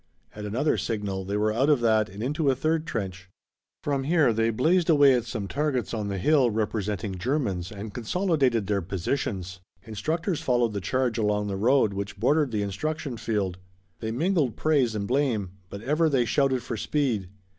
At another signal they were out of that and into a third trench. From here they blazed away at some targets on the hill representing Germans and consolidated their positions. Instructors followed the charge along the road which bordered the instruction field. They mingled praise and blame, but ever they shouted for speed.